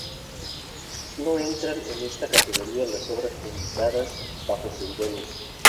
No entran en esta categoría las obras publicadas bajo seudónimo.